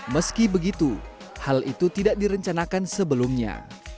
meski begitu hal itu tidak direncanakan sebelumnya